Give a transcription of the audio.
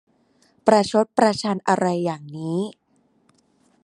ประชดประชันอะไรอย่างนี้ !